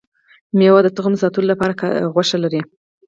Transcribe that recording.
ميوه د تخم ساتلو لپاره غوښه لري